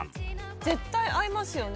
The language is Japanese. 絶対合いますよね